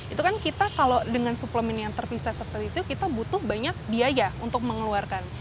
itu kan kita kalau dengan suplemen yang terpisah seperti itu kita butuh banyak biaya untuk mengeluarkan